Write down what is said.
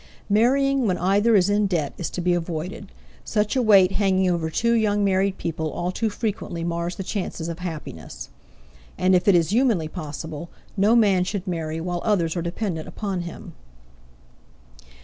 Marrying when either is in debt is to be avoided; such a weight hanging over two young married people all too frequently mars the chances of happiness. And if it is humanly possible, no man should marry while others are dependent upon him.